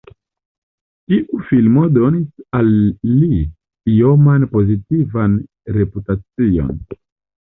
Tiu filmo donis al li ioman pozitivan reputacion.